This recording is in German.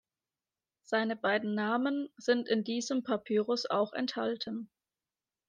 Seine beiden Namen sind in diesem Papyrus auch enthalten.